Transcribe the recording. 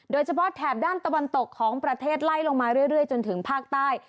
แถบด้านตะวันตกของประเทศไล่ลงมาเรื่อยจนถึงภาคใต้